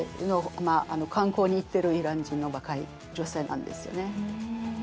観光に行ってるイラン人の若い女性なんですよね。